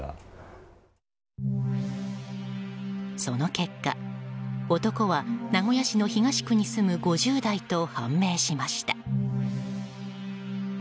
その結果、男は名古屋市の東区に住む５０代と判明しました。